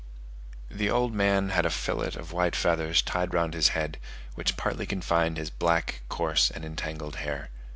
The old man had a fillet of white feathers tied round his head, which partly confined his black, coarse, and entangled hair.